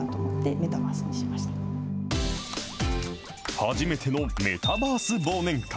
初めてのメタバース忘年会。